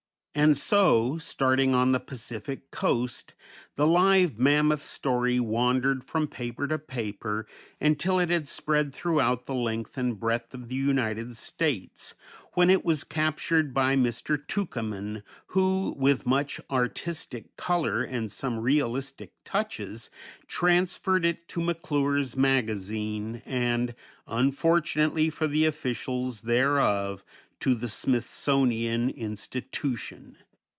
And so, starting on the Pacific coast, the Live Mammoth story wandered from paper to paper, until it had spread throughout the length and breadth of the United States, when it was captured by Mr. Tukeman, who with much artistic color and some realistic touches, transferred it to McClure's Magazine, and unfortunately for the officials thereof to the Smithsonian Institution.